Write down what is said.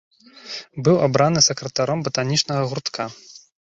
Быў абраны сакратаром батанічнага гуртка.